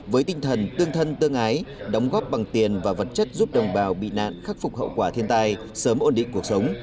với tinh thần tương thân tương ái đóng góp bằng tiền và vật chất giúp đồng bào bị nạn khắc phục hậu quả thiên tai sớm ổn định cuộc sống